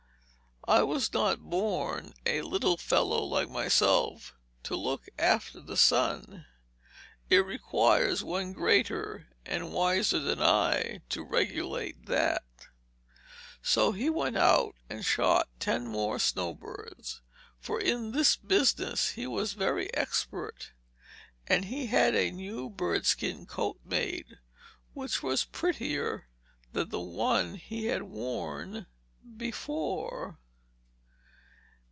"I was not born, a little fellow like myself, to look after the sun. It requires one greater and wiser than I to regulate that." So he went out and shot ten more snow birds; for in this business he was very expert; and he had a new bird skin coat made, which was prettier than the one he had worn before.